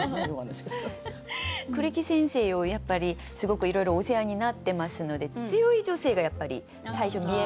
栗木先生をやっぱりすごくいろいろお世話になってますので強い女性がやっぱり最初見えますね。